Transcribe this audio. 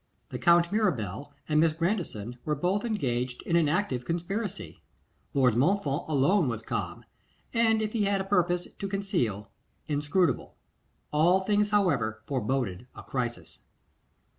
The Count Mirabel and Miss Grandison were both engaged in an active conspiracy. Lord Montfort alone was calm, and if he had a purpose to conceal, inscrutable. All things, however, foreboded a crisis.